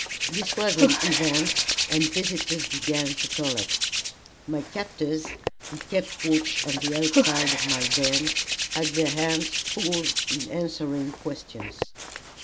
This was an event, and visitors began to collect. My captors, who kept watch on the outside of my den, had their hands full in answering questions.